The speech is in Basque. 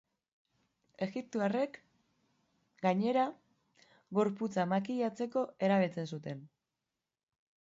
Egiptoarrek, gainera, gorputza makilatzeko erabiltzen zuten.